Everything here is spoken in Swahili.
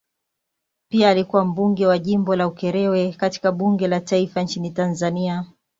Pia alikuwa mbunge wa jimbo la Ukerewe katika bunge la taifa nchini Tanzania.